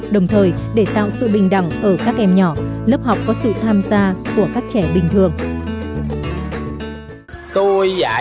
đồng thời để tạo sự bình đẳng ở các em nhỏ lớp học có sự tham gia của các trẻ bình thường